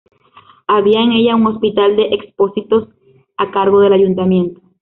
Había en ella un Hospital de expósitos a cargo del Ayuntamiento.